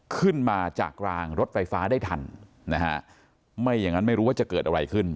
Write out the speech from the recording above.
ขึ้นมาจากรางรถไฟฟ้าได้ทันนะฮะไม่อย่างนั้นไม่รู้ว่าจะเกิดอะไรขึ้น